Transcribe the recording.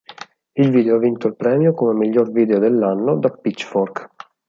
Il video ha vinto il premio come Miglior video dell'anno da "Pitchfork".